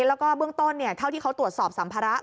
แล้วก็เบื้องต้นเท่าที่เขาตรวจสอบสัมภาระ